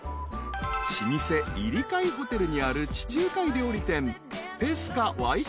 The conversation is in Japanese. ［老舗イリカイ・ホテルにある地中海料理店］